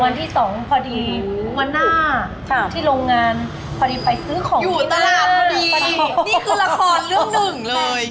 อยู่ตลาดพอดีนี่คือละครเรื่องหนึ่งเลย